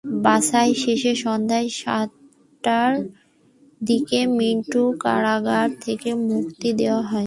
বাছাই শেষে সন্ধ্যা সাতটার দিকে মিন্টুকে কারাগার থেকে মুক্তি দেওয়া হয়।